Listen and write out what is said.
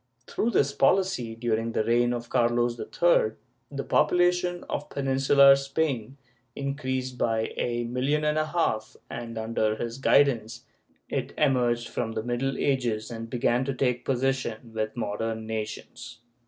Through this policy during the reign of Carlos III, the population of Peninsular Spain increased by a million and a half and, under his guidance it emerged from the Middle Ages and began to take position with modern nations.